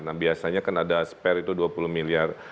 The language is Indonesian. nah biasanya kan ada spare itu dua puluh miliar